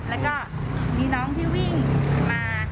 แล้วก็มีน้องที่วิ่งมา